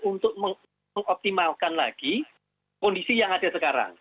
untuk mengoptimalkan lagi kondisi yang ada sekarang